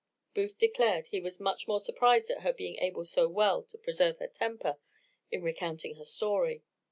Booth declared he was much more surprised at her being able so well to preserve her temper in recounting her story.